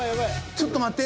ちょっと待って。